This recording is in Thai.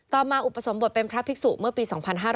ต่อมาอุปสมบทเป็นพระภิกษุเมื่อปี๒๕๕๙